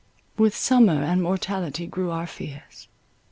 With summer and mortality grew our fears.